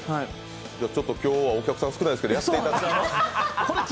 今日はお客さん、少ないですけどやってもらいます。